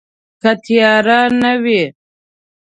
که تیاره نه وي